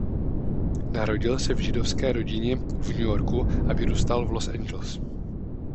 Narodil se v židovské rodině v New Yorku a vyrůstal v Los Angeles.